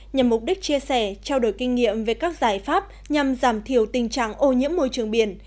nhằm mục đích chia sẻ trao đổi kinh nghiệm về các giải pháp nhằm giảm thiểu tình trạng ô nhiễm môi trường biển